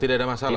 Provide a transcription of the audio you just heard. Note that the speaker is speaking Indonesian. tidak ada masalah